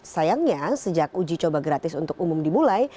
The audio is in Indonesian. sayangnya sejak uji coba gratis untuk umum dimulai